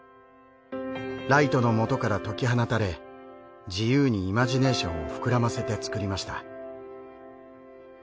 ライトのもとから解き放たれ自由にイマジネーションを膨らませて作りました。